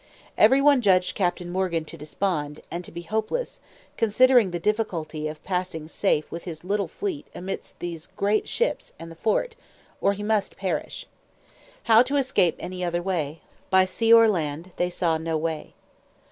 Every one judged Captain Morgan to despond, and to be hopeless, considering the difficulty of passing safe with his little fleet amidst those great ships and the fort, or he must perish. How to escape any other way, by sea or land, they saw no way.